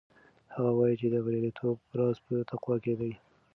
هغه وایي چې د بریالیتوب راز په تقوا کې دی.